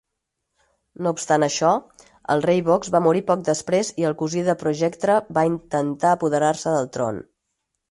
No obstant això, el rei Voxx va morir poc després i el cosí de Projectra va intentar apoderar-se del tron.